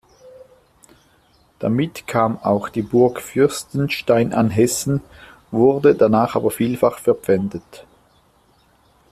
Damit kam auch die Burg Fürstenstein an Hessen, wurde danach aber vielfach verpfändet.